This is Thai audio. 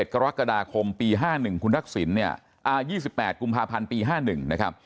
กรกฎาคมปี๕๑คุณทักษิณเนี่ย๒๘กุมภาพันธ์ปี๕๑นะครับ